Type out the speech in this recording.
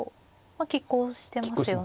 きっ抗してますよね。